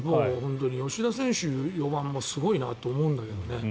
吉田選手、４番もすごいなと思うんだけどね。